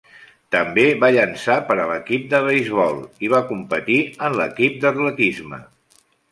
També va llançar per a l'equip de beisbol i va competir en l'equip d'atletisme.